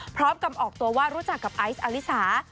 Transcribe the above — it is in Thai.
พร้อมกับออกตัวว่ารู้จักกับไอซ์อลิสา